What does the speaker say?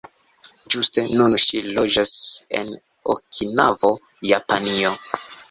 Ĝuste nun ŝi loĝas en Okinavo, Japanio.